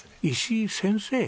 石井先生？